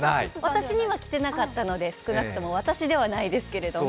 私には来ていなかったので、少なくとも私ではないです。